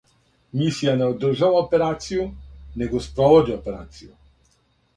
Мисија не одржава операцију, него спроводи операцију.